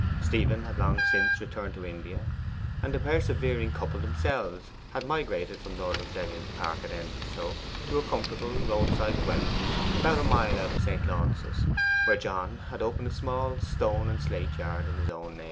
Stephen had long since returned to India; and the persevering couple themselves had migrated from Lord Luxellian's park at Endelstow to a comfortable roadside dwelling about a mile out of St. Launce's, where John had opened a small stone and slate yard in his own name.